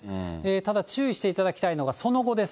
ただ、注意していただきたいのが、その後です。